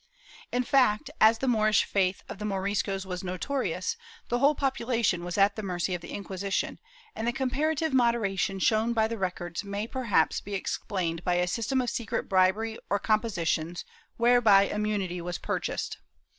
^ In fact, as the Moorish faith of the Moriscos was notorious, the whole population was at the mercy of the Inquisition, and the comparative moderation shown by the records may perhaps be explained by a system of secret bribery or compositions whereby immunity was purchased.